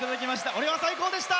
「俺は最高！！！」でした。